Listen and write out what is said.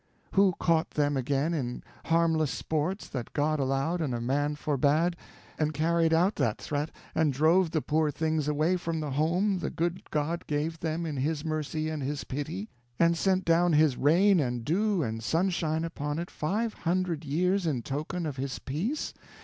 Who caught them again in harmless sports that God allowed and a man forbade, and carried out that threat, and drove the poor things away from the home the good God gave them in His mercy and His pity, and sent down His rain and dew and sunshine upon it five hundred years in token of His peace?